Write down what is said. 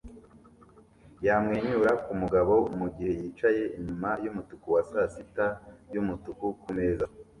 yamwenyura kumugabo mugihe yicaye inyuma yumutuku wa sasita yumutuku kumeza